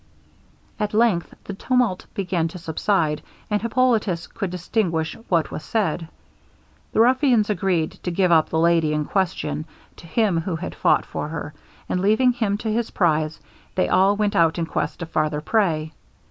At length the tumult began to subside, and Hippolitus could distinguish what was said. The ruffians agreed to give up the lady in question to him who had fought for her; and leaving him to his prize, they all went out in quest of farther prey.